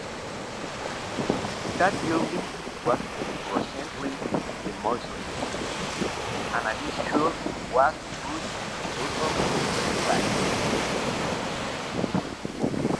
That building was recently demolished, and a new school was built upon its site.